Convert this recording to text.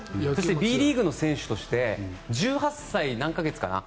Ｂリーグの選手として１８歳何か月かな？